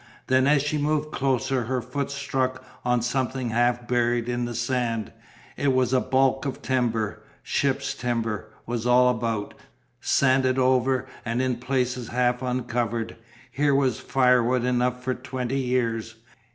Then as she moved closer her foot struck on something half buried in the sand, it was a balk of timber, ships timber was all about, sanded over, and in places half uncovered. Here was firewood enough for twenty years.